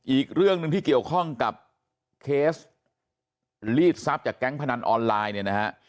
อีกเรื่องหนึ่งที่เกี่ยวข้องกับเคสลีดทรัพย์จากแก๊งพนันออนไลน์เนี่ยนะฮะ